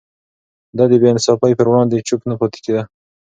ده د بې انصافي پر وړاندې چوپ نه پاتې کېده.